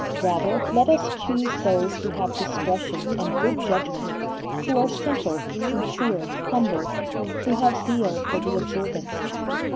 Rather let us choose those who have discretion and good judgement, who are simple, sincere, humble, who have zeal for the observance.